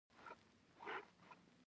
غول د کولمو اندازه ښيي.